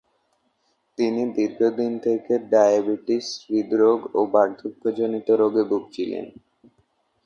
তিনি দীর্ঘদিন থেকে ডায়াবেটিস, হৃদরোগ ও বার্ধক্যজনিত রোগে ভুগছিলেন।